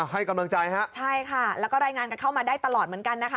ให้กำลังใจฮะใช่ค่ะแล้วก็รายงานกันเข้ามาได้ตลอดเหมือนกันนะคะ